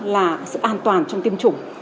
là sự an toàn trong tiêm chủng